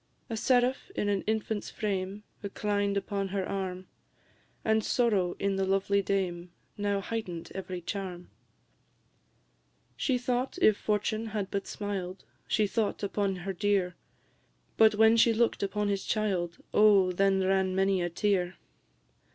A seraph in an infant's frame Reclined upon her arm; And sorrow in the lovely dame Now heighten'd every charm: She thought, if fortune had but smiled She thought upon her dear; But when she look'd upon his child, Oh, then ran many a tear!